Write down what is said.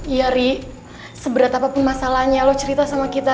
iya ri seberat apapun masalahnya lo cerita sama kita